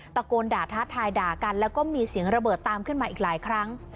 ตะโกนด่าท้าทายด่ากันแล้วก็มีเสียงระเบิดตามขึ้นมาอีกหลายครั้ง